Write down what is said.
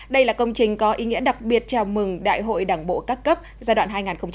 đây là công trình có ý nghĩa đặc biệt chào mừng đại hội đảng bộ các cấp giai đoạn hai nghìn hai mươi hai nghìn hai mươi năm